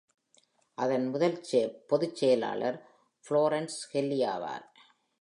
அதன் முதல் பொதுச் செயலாளர் புளோரன்ஸ் கெல்லி ஆவார்.